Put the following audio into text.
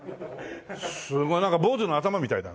すごいなんか坊主の頭みたいだね。